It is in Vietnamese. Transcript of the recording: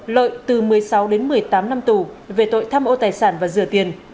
lợi từ một mươi sáu đến một mươi tám năm tù về tội tham ô tài sản và rửa tiền